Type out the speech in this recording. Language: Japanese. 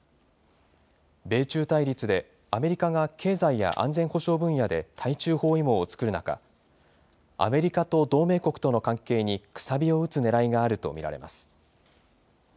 米中対立でアメリカが経済や安全保障分野で対中包囲網を作る中、アメリカと同盟国との関係にくさびを打つねらいがあると見られます。